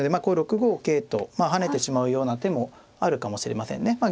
こう６五桂と跳ねてしまうような手もあるかもしれませんね。